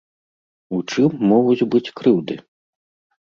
У чым могуць быць крыўды?